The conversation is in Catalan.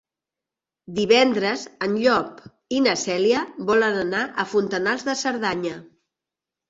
Divendres en Llop i na Cèlia volen anar a Fontanals de Cerdanya.